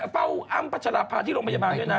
เฝ้าอ้ำพัชราภาที่โรงพยาบาลด้วยนะ